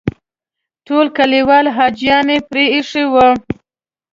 ټول کلیوال حاجیان یې پرې ایښي وو.